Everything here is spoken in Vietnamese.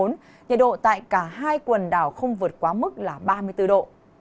nhiệt độ tại cả hai quần đảo không vượt quá mức là ba mươi bốn độ